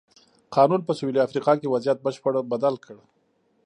قانون په سوېلي افریقا کې وضعیت بشپړه بدل کړ.